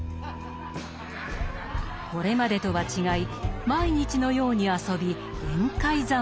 これまでとは違い毎日のように遊び宴会三昧。